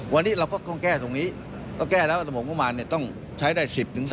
วันนี้เราก็ต้องแก้ตรงนี้ก็แก้แล้วว่าโมงบาลมันต้องใช้ได้๑๐๓๐